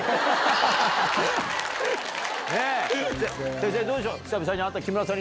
先生どうでしょう？